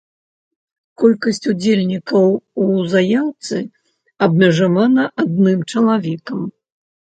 Колькасць удзельнікаў у заяўцы абмежавана адным чалавекам.